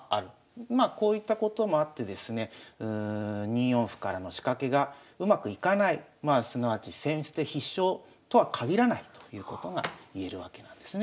まあこういったこともあってですね２四歩からの仕掛けがうまくいかないまあすなわち先手必勝とは限らないということがいえるわけなんですね。